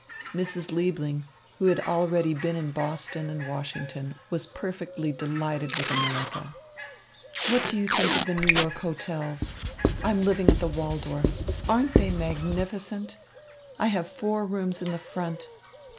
Mrs. Liebling, who had already been in Boston and Washington, was perfectly delighted with America. "What do you think of the New York hotels? I am living at the Waldorf. Aren't they magnificent? I have four rooms in the front.